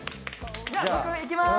じゃ僕いきます。